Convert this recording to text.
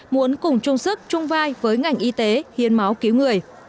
muốn cùng chung sức chung vai với ngành y tế hiến máu cứu người